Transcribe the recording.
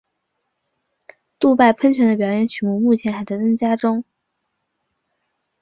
杜拜喷泉的表演曲目目前还在增加中。